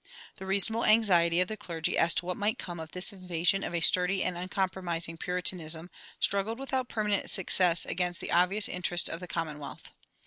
The reasonable anxiety of the clergy as to what might come of this invasion of a sturdy and uncompromising Puritanism struggled without permanent success against the obvious interest of the commonwealth.